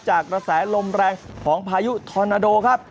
กระแสลมแรงของพายุทอนาโดครับ